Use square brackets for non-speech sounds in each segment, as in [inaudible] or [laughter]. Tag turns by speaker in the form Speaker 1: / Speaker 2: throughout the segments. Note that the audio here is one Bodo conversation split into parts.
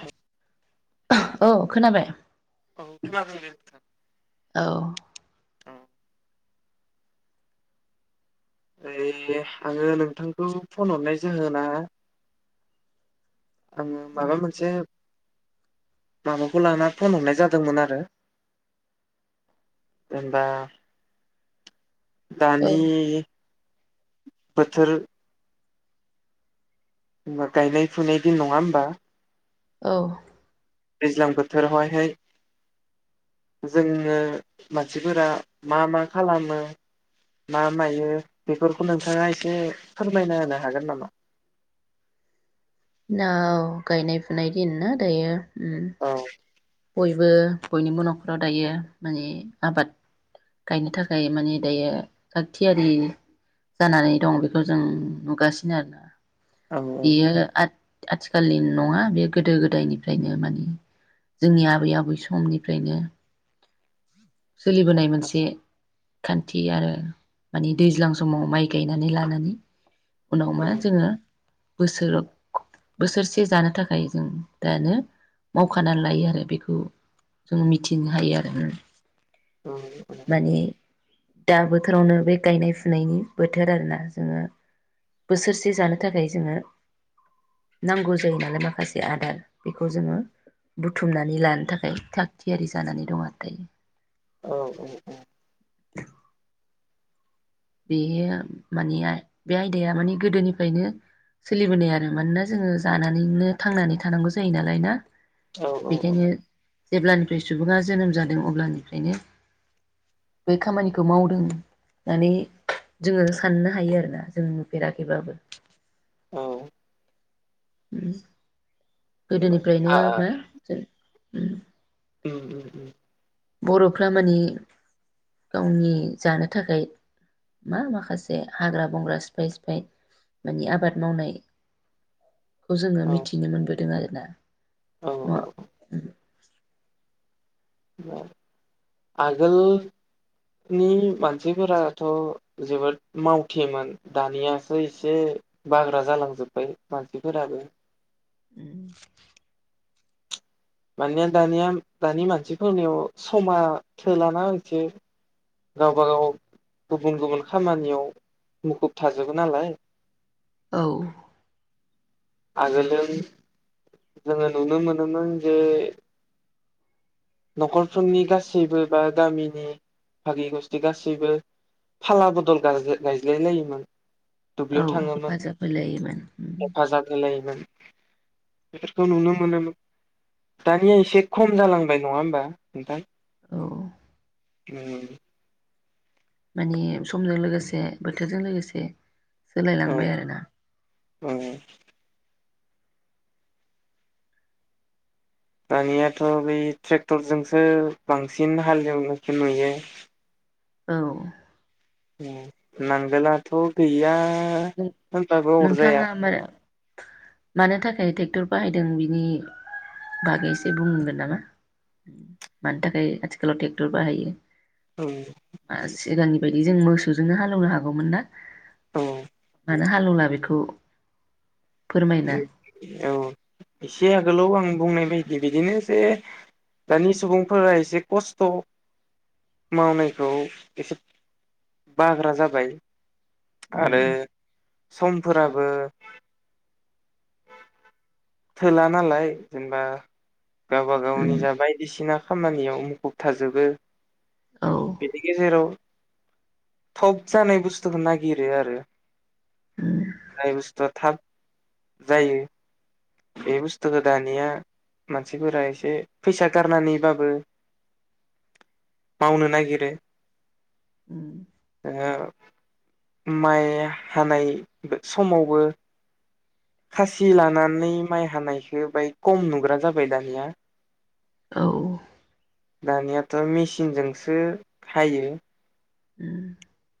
Speaker 1: हेल'
Speaker 2: औ खोनाबाय।
Speaker 1: खोनादों दे नोंथां।
Speaker 2: औ।
Speaker 1: [unintelligible] आङो नोंथांखौ फन हरनाय जाहोना आंङो माबा मोनसे माबाखौ लानानै फन हरनाय जादोंमोन आरो जेनेबा
Speaker 2: औ
Speaker 1: दानि बोथोर। होनबाथाय गायनाय फुनाय दिन नङा होमबा।
Speaker 2: औ।
Speaker 1: दैज्लां बोथोरावहायहाय जोङो मानसिफोरा मा मा खालामो मा मायो बेफोरखौ नोंथाङा एसे फोरमायना होनो हागोन नामा।
Speaker 2: [unintelligible] गायनाय फुनाय दिन ना दायो उम
Speaker 1: औ।
Speaker 2: बयबो बयनिबो न'खराव दायो माने आबाद गायनो थाखाय माने दायो थाग थियारि जानानै दं बेखौ जों नुगासिनो आरोना।
Speaker 1: औ
Speaker 2: बियो आत आथिखालनि नङा बे गोदो गोदायनिफ्रायनो माने जोंनि आबै आबै समनिफ्रायनो सोलिबोनाय मोनसे खान्थि आरो माने दैज्लां समाव माइ गायनानै लानानै। उनाव
Speaker 1: औ
Speaker 2: मा जोङो। बोसोराव बोसोरसे जानो थाखाय जों दानो मावखाना लायो आरो बेखौ जों मिथिनो हायो आरो होम
Speaker 1: ओ ओ
Speaker 2: दा बोथोरावनो बे गायनाय फुनायनि बोथोर आरोना जोङो बोसोरसे जानो थाखाय जोङो नांगौ जायो नालाय माखासे आदार बेखौ जोङो बुथुमनानै लानो थाखाय थाग थियारि जानानै दं आरो दायो।
Speaker 1: औ औ औ।
Speaker 2: बेयो माने आय बे आयदाया माने गोदोनिफ्रायनो सोलिबोनाय आरो मानोना जोङो जानानैनो थांनानै थानांगौ जायो नालाय ना?
Speaker 1: औ औ औ।
Speaker 2: बेखायनो जेब्लानिफ्राय सुबुङा जोनोम जादों अब्लानिफ्रायनो बै खामानिखौ मावदों होनानै जोङो साननो हायो आरो ना जों नुफेराखैबाबो।
Speaker 1: औ।
Speaker 2: उम गोदोनिफ्रायनो
Speaker 1: औ
Speaker 2: मा जों? उम।
Speaker 1: [unintelligible]
Speaker 2: बर'फ्रा माने गावनि जानो थाखाय मा माखासे हाग्रा बंग्रा सिफाय सिफाय माने आबाद मावनाय खौ जोङो
Speaker 1: औ
Speaker 2: मिथिनो मोनबोदों आरो। दा।
Speaker 1: औ
Speaker 2: [unintelligible]
Speaker 1: [unintelligible] आगोलनि मानसिफोराथ' जोबोद मावथिमोन दानियासो एसे बाग्रा जालांजोबबाय मानसिफोरा।
Speaker 2: उम
Speaker 1: मानिया दानिया दानि मानसिफोरनियाव समा थोलाना एसे गावबागाव गुबुन गुबुन खामानियाव मुखुब थाजोबो नालाय।
Speaker 2: औ।
Speaker 1: आगोलजों जोङो नुनो मोनोमोन जे न'खरफोरनि गासैबो बा गामिनि भागि गस्थि गासैबो फाला बदल गायज्लाय गायज्लाय लायोमोन।
Speaker 2: औ
Speaker 1: दुब्लियाव थाङोमोन
Speaker 2: हेफाजाब होलायोमोन उम।
Speaker 1: लायोमोन बेफोरखौ नुनो मोनोमोन दानिया एसे खम जालांबाय नङा होमबा नोंथां?
Speaker 2: औ।
Speaker 1: उम
Speaker 2: माने समजों लोगोसे बोथोरजों लोगोसे सोलायलांबाय आरोना।
Speaker 1: ओ ओ। दानियाथ' बै ट्रेक्टरजोंसो बांसिन हालेवनायखो नुयो।
Speaker 2: औ।
Speaker 1: उम नांगोलाथ' गैया। होनबाबो अरजाया।
Speaker 2: नोंथाङा मारै मानो थाखाय ट्रेक्टर बाहायदों बिनि बागै एसे बुंगोन नामा मानो थाखाय आथिखालाव ट्रेक्टर बाहायो?
Speaker 1: औ
Speaker 2: आ सिगांनि बायदि जों मोसौ जोंनो हालेवनो हागौमोन ना।
Speaker 1: औ।
Speaker 2: मानो हालेवला बेखौ? फोरमायना
Speaker 1: औ एसे आगोलाव आं बुंनाय बायदि बिदिनो जे दानि सुबुंफोरा एसे खस्थ' मावनायखौ एसे बाग्रा जाबाय। आरो
Speaker 2: उम
Speaker 1: समफोराबो थोला नालाय जेनेबा गावब गावनि
Speaker 2: उम
Speaker 1: जा बायदिसिना खामानियाव मुखुब थाजोबो।
Speaker 2: औ
Speaker 1: बेनि गेजेराव थब जानाय बुस्थुखौ नागिरो आरो।
Speaker 2: उम
Speaker 1: जाय बुस्थुआ थाब जायो बे बुस्थुखौ दानिया मानसिफोरा एसे फैसा गारनानैबाबो मावनो नागिरो।
Speaker 2: उम
Speaker 1: ओ माइ हानाय समावबो खासि लानानै माइ हानायखौ बाय खम नुग्रा जाबाय दानिया।
Speaker 2: औ।
Speaker 1: दानियाथ' मेचिनजोंसो हायो।
Speaker 2: [inaudible]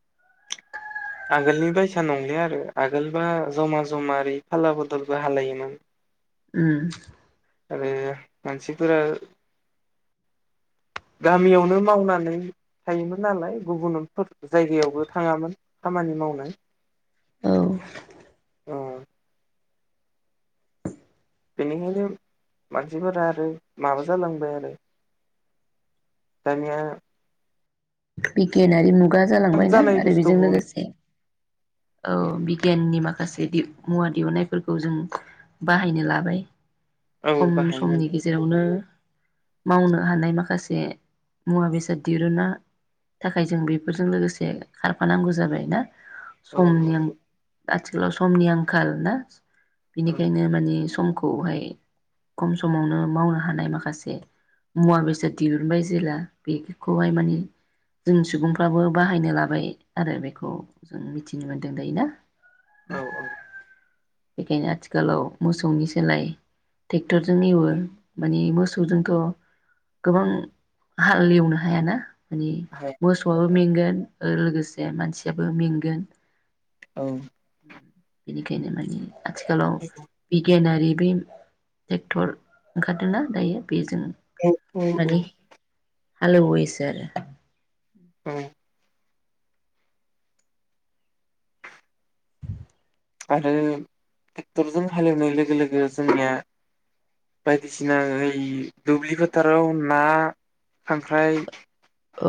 Speaker 1: आगोलनि बायसा नंलिया आरो आगोलबा जमा जमा ओरै फाला बदलबो हालायोमोन।
Speaker 2: उम।
Speaker 1: आरो मानसिफोरा गामियावनो मावनानै थायोमोन नालाय गुबुनफोर जायगायावबो थाङामोन खामानि मावनो
Speaker 2: औ
Speaker 1: बेनिखायनो मानसिफोरा आरो माबा जालांबाय आरो दानिया
Speaker 2: बिगियानारि मुं गा
Speaker 1: थाब
Speaker 2: जालांबायना
Speaker 1: जानाय
Speaker 2: आरो बेजों
Speaker 1: बुस्थुखौ
Speaker 2: लोगोसे औ बिगियाननि मा माखासे मुवा दिहुनन्नायफोरखौ जों बाहायनो लाबाय
Speaker 1: औ
Speaker 2: खम
Speaker 1: बाहायनो
Speaker 2: समनि गेजेरावनो मावनो हानाय माखासे मुवा बेसाद दिरुना थाखाय जों बेफोरजों लोगोसे खारफानांगौ जाबाय ना
Speaker 1: औ
Speaker 2: सम आथिखालाव समनि आंखाल ना?
Speaker 1: औ
Speaker 2: बिनिखायनो माने सम खौहाय खम समावनो मावनो हानाय माखासे मुवा बेसाद दिहुनबाय जेब्ला बेखौहाय माने जों सुबुंफ्राबो बाहायनो लाबाय आरो बेखौ जों मिथिनो मोन्दों दायो ना?
Speaker 1: औ औ
Speaker 2: बेखायनो आथिखालाव मोसौनि सोलाय ट्रेक्टरजों एवो माने मोसौजोंथ' गोबां हाल एवनो हायाना माने
Speaker 1: हाया
Speaker 2: मोसौआबो
Speaker 1: औ
Speaker 2: मेंगोन लोगोसे मानसियाबो मेंगोन
Speaker 1: औ।
Speaker 2: बेनिखायनो मानि। आथिखालाव बिगियानारि। बे ट्रेक्टर ओंखारदोंना दायो बेजों।
Speaker 1: [inaudible]
Speaker 2: हालेवो ओसे आरो
Speaker 1: औ। आरो ट्रेक्टरजों हालेवनाय लोगो लोगो जोंनिया बायदिसिना ओइ दुब्लि फोथाराव ना खांख्राइ,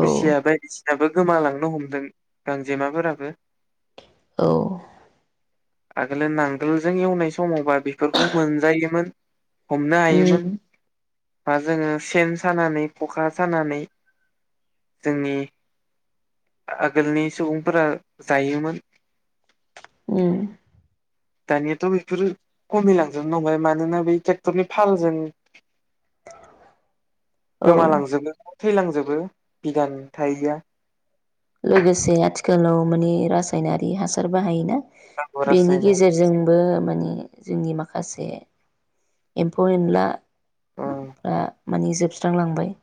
Speaker 2: औ
Speaker 1: बायदिसिनाबो। गोमालांनो हमदों गांजेमाफोराबो।
Speaker 2: औ।
Speaker 1: आगोलो नांगोलजों एवनाय समावबा बेफोरखौ मोनजायोमोन। हमनो
Speaker 2: उम
Speaker 1: हायोमोन। बा जोङो सेन सानानै खखा सानानै जोंनि आगोलनि सुबुंफोरा जायोमोन।
Speaker 2: उम।
Speaker 1: दानियाथ' बेफोरो खमिलांजोबनो हबाय मानोना बै ट्रेक्टरनि फालजों।
Speaker 2: औ
Speaker 1: गोमालांजोबो। थैलांजोबो बिगान थाया।
Speaker 2: लोगोसे आथिखालाव माने रासायनारि हासार बाहायोना। बेनि
Speaker 1: रासायनारि
Speaker 2: गेजेरजोंबो माने। जोंनि माखासे। एमफौ एनला।
Speaker 1: औ
Speaker 2: ओ माने जोबस्रांलांबाय।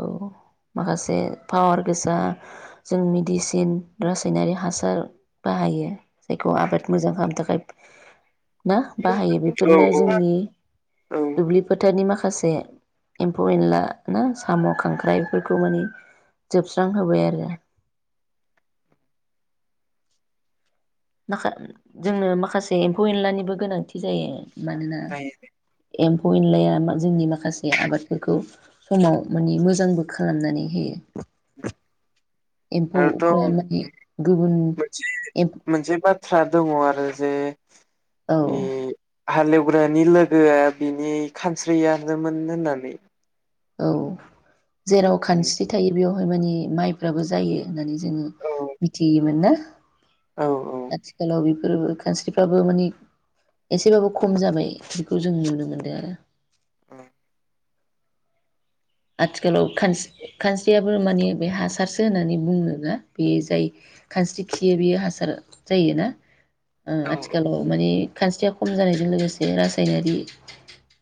Speaker 2: औ माखासे पावार गोसा जों मेडिसिन रासायनारि हासार बाहायो जायखौ आबाद मोजां खालामनो थाखाय ना। बाहायो
Speaker 1: औ
Speaker 2: बेफोरनो
Speaker 1: औ
Speaker 2: जोंनि
Speaker 1: औ
Speaker 2: दुब्लि फोथारनि माखासे। माखासे एम्फौ एनला ना, साम', खांख्राइफोरखौ माने। जोबस्रां होबाय आरो। माखा जोंनो माखासे एम्फौ एनलानिबो गोनांथि जायो। मानोना।
Speaker 1: जायो
Speaker 2: एम्फौ एनलाया जोंनि माखासे आबादफोरखौ समाव मानि मोजांबो खालामनानै होयो।
Speaker 1: आरोथ'
Speaker 2: एम्फौफोरा माने गुबुन।
Speaker 1: मोनसे मोनसे बाथ्रा दङ आरो जे।
Speaker 2: औ
Speaker 1: बे हालेव। [inaudible]
Speaker 2: औ। जेराव खानस्रि थायो बेयाव। मानि माइफ्राबो जायो होननानै जों जोङो
Speaker 1: औ
Speaker 2: मिथियोमोन ना।
Speaker 1: औ
Speaker 2: [unintelligible] आथिखालाव बेफो गो खानस्रिफ्राबो मानि एसेबाबो खम जाबाय बेखौ जों नुनो मोनदों आरो।
Speaker 1: ओं।
Speaker 2: आथिखालाव खान खानस्रियाबो मानि बे हासारसो होननानै बुङोना बेयो जाय खानस्रि खियो बेयो हासार जायोना। ओ
Speaker 1: औ
Speaker 2: आथिखालाव मानि खानस्रिया खम जानायजों लोगोसे रासायनारि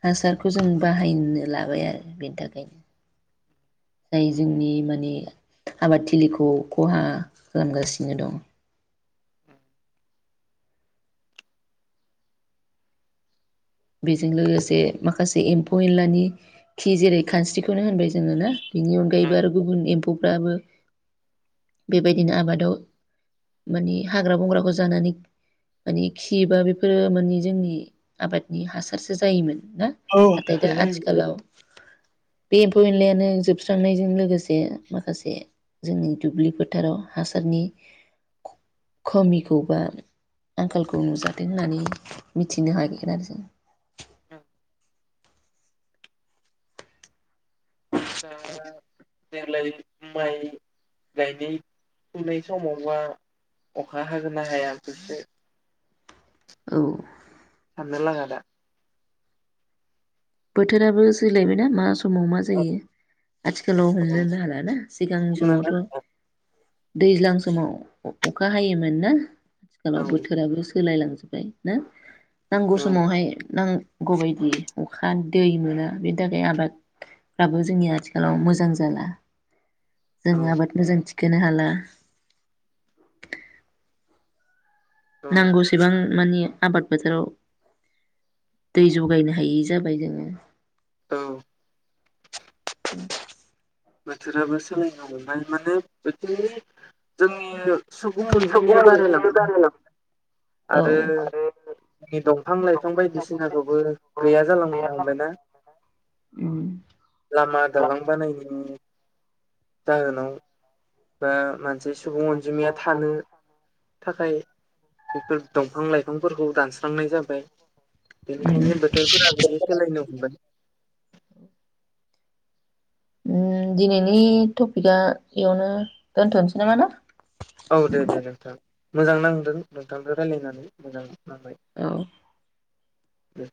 Speaker 2: हासारखौ जों बाहायनो लाबाय आरो बेनि थाखायनो। जाय जोंनि माने आबादथिलिखौ खहा खालामगासिनो दं। बेजों लोगोसे माखासे एम्फौ एनलानि खि जेरै खानस्रिखौनो होनबाय जोङो ना बेनि अनगायैबो आरो गुबुन एम्फौफ्राबो बेबायदिनो आबादाव माने हाग्रा बंग्राखौ जानानै माने खि बा बेफोरो माने जोंनि आबाद। नि हासारसो जायोमोन।
Speaker 1: औ
Speaker 2: दा
Speaker 1: आसार जायोमोन।
Speaker 2: आथिखालाव बे एम्फौ एनलायानो जोबस्रांनायजों लोगोसे माखासे जोंनि दुब्लि फोथाराव हासारनि खमिखौ बा आंखालखौ नुजाथों होननानै मिथिनो हागोन आरो जों
Speaker 1: ओं दा देग्लाय माइ गायनाय फुनाय समावबा अखा हागोन ना हायाखोसो?
Speaker 2: औ।
Speaker 1: साननो लागा दा
Speaker 2: बोथोराबो सोलायबाय ना मा सम समाव मा
Speaker 1: औ
Speaker 2: जायो आथिखालाव
Speaker 1: औ
Speaker 2: हमनो नो हालाना सिगां समावथ'। दैज्लां समाव अखा हायोमोन ना? आथिखालाव
Speaker 1: औ
Speaker 2: बोथोराबो सो सोलाय लांजोबबाय ना। नांगौ
Speaker 1: औ
Speaker 2: समावहाय नां गौबायदि अखा दै मोना बेनि थाखाय आबादफ्राबो जोंनि आथिखालाव मोजां जाला जोंङो आबाद
Speaker 1: औ
Speaker 2: मोजां थि खोनो हाला नांगौसेबां मानि आबाद फोथोराव दै जगायनो हायै जाबाय जोङो
Speaker 1: औ
Speaker 2: [unintelligible]
Speaker 1: बोथोराबो सोलायनो हमबाय माने बोथोरनि जोंनि ओ सुबुं अनजिनाया बारायलांबाय
Speaker 2: औ
Speaker 1: आरो जोंनि दंफां लाइफां बायदिसिनाखौबो गैया जालांनो हमबाय ना
Speaker 2: उम
Speaker 1: लामा दालां बानायनायनि जाहोनाव बा मान मोनसे सुबुं अनजिमाया थानो थाखाय बेफोर दंफां लाइफांफोरखौ दानस्रांनाय जाबाय ओमफ्राय
Speaker 2: उम
Speaker 1: बेनिखायनो बोथोरफोरा बिदि सोलायनो हमबाय
Speaker 2: दिनैनि टपिकआ बेयावनो दोनथ'नोसै नामा ना
Speaker 1: औ दे दे नोंथां मोजां नांदों नोंथांजों रायज्लायनानै मोजां
Speaker 2: औ
Speaker 1: बे